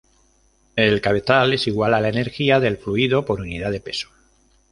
El cabezal es igual a la energía del fluido por unidad de peso.